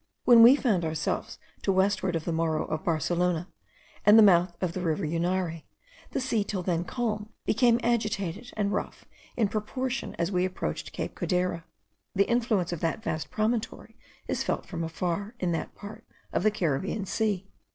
When we found ourselves to westward of the Morro of Barcelona, and the mouth of the river Unare, the sea, till then calm, became agitated and rough in proportion as we approached Cape Codera. The influence of that vast promontory is felt from afar, in that part of the Caribbean Sea.